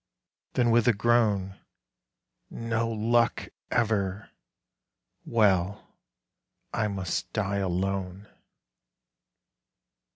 Then with a groan: "No luck ever! Well, I must die alone."